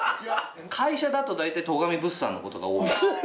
会社だと大体戸上物産の事が多い。